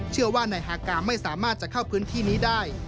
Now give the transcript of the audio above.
เชื่อว่านายฮากาไม่สามารถจะเข้าพื้นที่นี้ได้